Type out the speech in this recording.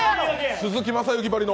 鈴木雅之ばりの。